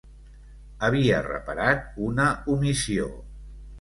Havia reparat una omissió.